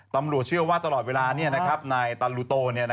ตำรวจเชื่อว่าตลอดเวลานายตันลูโต